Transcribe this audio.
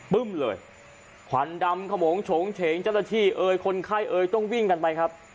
ปึ้มเลยควันดำขมงโฉงเฉงเจ้าหน้าที่เอ่ยคนไข้เอ๋ยต้องวิ่งกันไปครับ